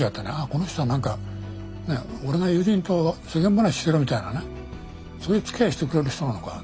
この人は俺が友人と世間話してるみたいなねそういうつきあいしてくれる人なのか。